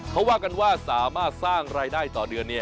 เขาว่ากันว่าสามารถสร้างรายได้ต่อเดือน